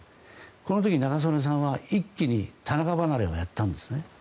このとき中曽根さんは一気に田中離れをやったんですね。